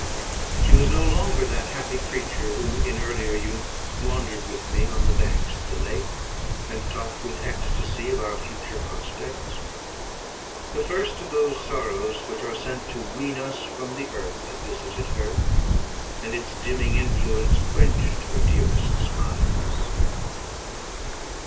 She was no longer that happy creature, who in earlier youth wandered with me on the banks of the lake, and talked with ecstasy of our future prospects. The first of those sorrows which are sent to wean us from the earth, had visited her, and its dimming influence quenched her dearest smiles.